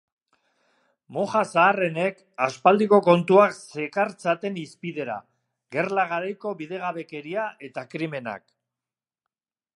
Moja zaharrenek aspaldiko kontuak zekartzaten hizpidera, gerla garaiko bidegabekeria eta krimenak.